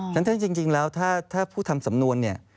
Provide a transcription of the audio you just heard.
ฉะนั้นถ้าจริงแล้วถ้าผู้ทำสำนวน